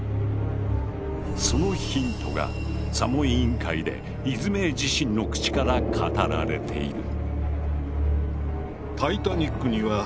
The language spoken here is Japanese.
そのヒントが査問委員会でイズメイ自身の口から語られている。